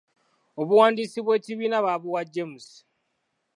Obuwandiisi bw'ekibiina baabuwa James.